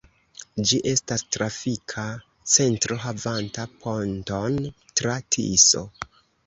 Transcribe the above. Ĝi estas trafika centro havanta ponton tra Tiso.